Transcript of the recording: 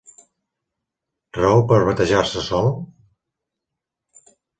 Raó per batejar-se sol?